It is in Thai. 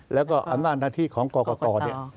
แล้วก็อำนาจหน้าที่ของกกต